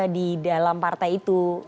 di dalam partai itu